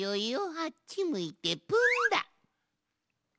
あっちむいてプンだ！